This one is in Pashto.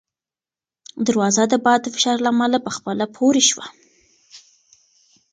دروازه د باد د فشار له امله په خپله پورې شوه.